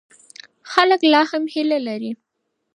خلک لا هم هیله لري.